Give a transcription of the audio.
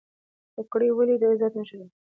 پګړۍ ولې د عزت نښه ده؟